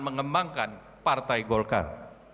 mengembangkan partai golkar